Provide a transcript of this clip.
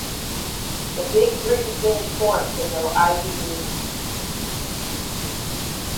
The Big Green finished fourth in the Ivy League.